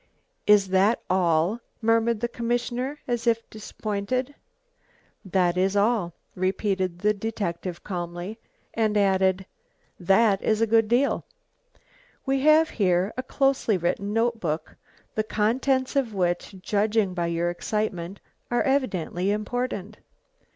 "Is that all?" murmured the commissioner, as if disappointed. "That is all," repeated the detective calmly, and added, "That is a good deal. We have here a closely written notebook, the contents of which, judging by your excitement, are evidently important.